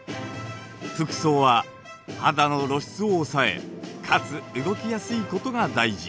服装は肌の露出を抑えかつ動きやすいことが大事。